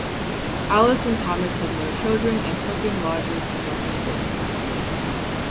Alice and Thomas had no children and took in lodgers to supplement their income.